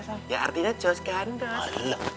artinya jauh skandas